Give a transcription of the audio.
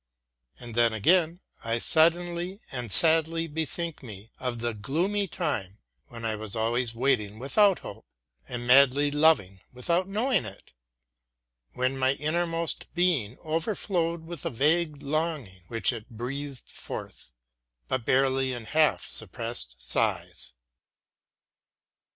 And then again I suddenly and sadly bethink me of the gloomy time when I was always waiting without hope, and madly loving without knowing it; when my innermost being overflowed with a vague longing, which it breathed forth but rarely in half suppressed sighs.